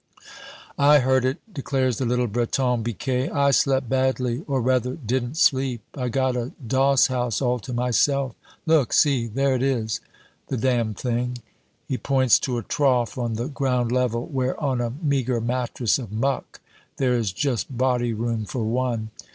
"I heard it," declares the little Breton, Biquet; "I slept badly, or rather, didn't sleep. I've got a doss house all to myself. Look, see, there it is the damned thing." He points to a trough on the ground level, where on a meager mattress of muck, there is just body room for one.